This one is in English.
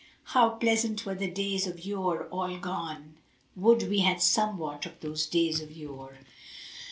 How pleasant were the days of yore all gone: * Would we had somewhat of those days of yore!"